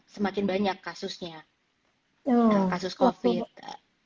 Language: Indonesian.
semakin banyak kasusnya kasus covid